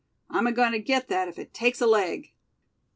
I'm agoin' to get that, if it takes a leg."